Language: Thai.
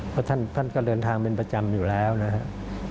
เพราะท่านก็เดินทางเป็นประจำอยู่แล้วนะครับ